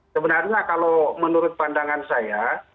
sebenarnya kalau menurut pandangan saya